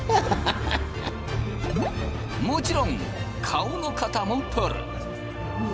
もちろん顔の型も取る。